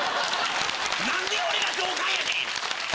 なんで俺が上官やねん！